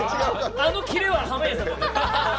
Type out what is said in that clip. あのキレは濱家さんなんで！